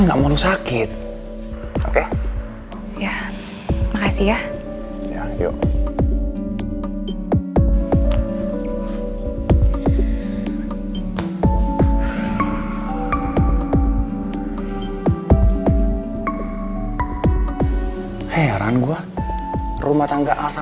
gimana keadaan tante rosa